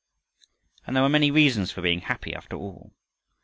And there were many reasons for being happy after all.